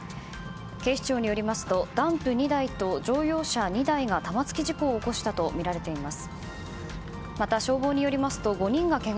警視庁によりますとダンプ２台と乗用車２台が玉突き事故を起こしたとみられています。